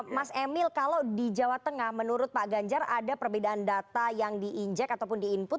mas emil kalau di jawa tengah menurut pak ganjar ada perbedaan data yang diinjek ataupun di input